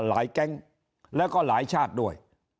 แก๊งแล้วก็หลายชาติด้วย